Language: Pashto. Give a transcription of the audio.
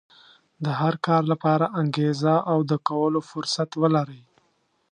د هر کار لپاره انګېزه او د کولو فرصت ولرئ.